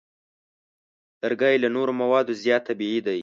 لرګی له نورو موادو زیات طبیعي دی.